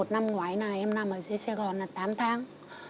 một năm ngoái là em nằm ở dưới sài gòn là tám tháng